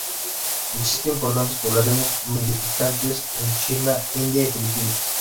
Existen importantes poblaciones nidificantes en China, India y Filipinas.